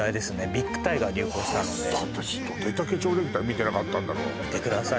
ビッグタイが流行したので私どれだけ蝶ネクタイ見てなかったんだろう見てください